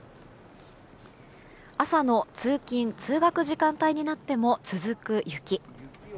朝の通勤・通学時間帯になっても続く雪。